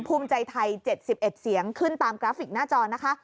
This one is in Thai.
ภูมิใจไทย๗๑เสียงขึ้นตามกราฟิกหน้าจอนะคะ